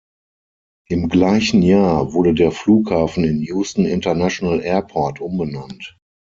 Im gleichen Jahr wurde der Flughafen in "Houston International Airport" umbenannt.